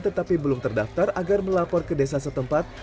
tetapi belum terdaftar agar melapor ke desa setempat